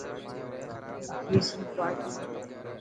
اي جئي سنڌ پارٽي هي.